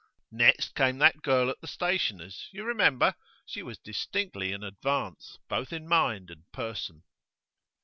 Next came that girl at the stationer's you remember? She was distinctly an advance, both in mind and person.